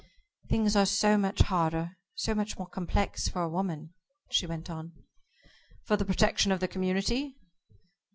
"Things are so much harder, so much more complex for a woman," she went on. "For the protection of the community?"